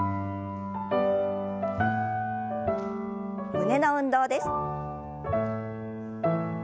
胸の運動です。